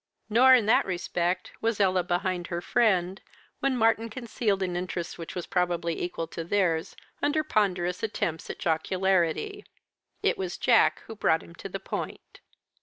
Nor, in that respect, was Ella behind her friend, while Martyn concealed an interest which was probably equal to theirs under ponderous attempts at jocularity. It was Jack who brought him to the point.